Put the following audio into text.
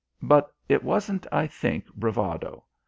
But it wasn't, I think, bravado.